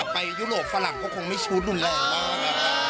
ไปยุโรปฝรั่งก็คงไม่ชู้รุนแรงมาก